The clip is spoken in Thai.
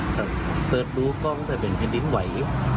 เปิดดูกล้องแต่เป็นแผ่นดินไหว